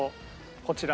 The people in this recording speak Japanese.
こちら。